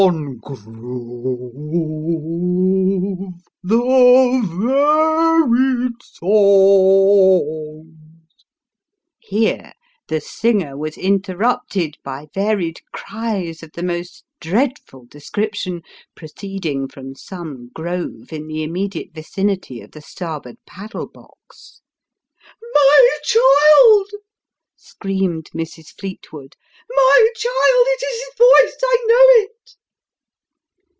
From yon gro ve, the varied so ongs ' Here, the singer was interrupted by varied cries of the most dread ful description, proceeding from some grove in the immediate vicinity of the starboard paddle box. " My child !" screamed Mrs. Fleetwood. " My child ! it is his voice I know it."